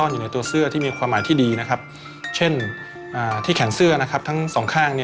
ชุดเยือนเราตั้งชื่อชุดเยือนของเราเนี่ยในชุดสีขาวเนี่ยว่าปราปไตจักร